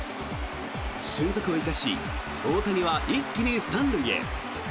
俊足を生かし大谷は一気に３塁へ。